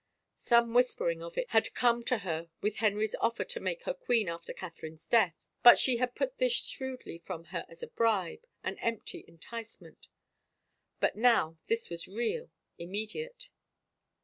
Some whis pering of it had come to her with Henry's offer to make her queen after Catherine's death, but she had put this shrewdly from her as a bribe — an empty enticement. ... But now this was real, immediate.